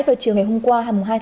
vào chiều ngày hôm qua hai ba